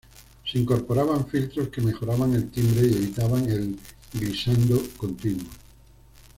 Se incorporaban filtros que mejoraban el timbre y evitaban el "glissando" continuo.